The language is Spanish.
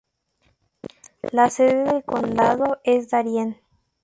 La sede del condado es Darien.